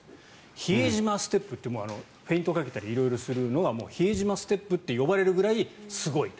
比江島ステップというフェイントかけたり色々するのを比江島ステップと呼ばれるぐらい、すごい。